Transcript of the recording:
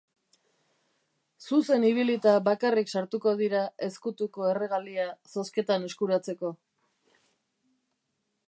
Zuzen ibilita bakarrik sartuko dira ezkutuko erregalia zozketan eskuratzeko.